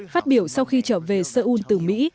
phát biểu sau khi trở về seoul từ mỹ